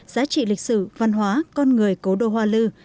giá trị lịch sử văn hóa con người cố đô hoa lư